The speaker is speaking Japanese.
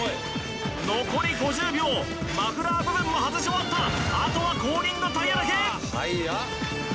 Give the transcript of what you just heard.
残り５０秒マフラー部分も外し終わったあとは後輪のタイヤだけ！